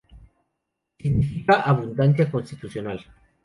Significa "Abundancia constitucional".